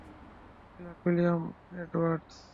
Clerk William Edwards.